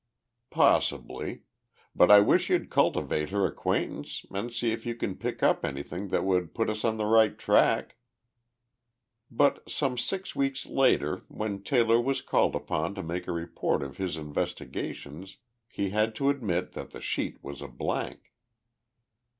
"Possibly but I wish you'd cultivate her acquaintance and see if you can pick up anything that would put us on the right track." But some six weeks later when Taylor was called upon to make a report of his investigations he had to admit that the sheet was a blank.